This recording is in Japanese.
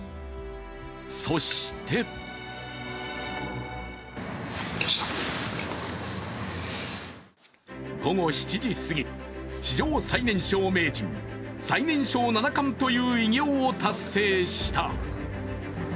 そして午後７時すぎ、史上最年少名人最年少七冠という偉業を達成した。